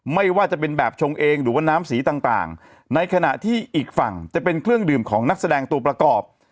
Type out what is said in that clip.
ไม่ว่าจะเป็นแบบชงเองหรือว่าน้ำสีต่างในขณะที่อีกฝั่งจะเป็นเครื่องดื่มของนักแสดงตัวประกอบ